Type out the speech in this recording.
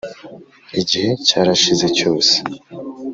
igihe cyarashize cyose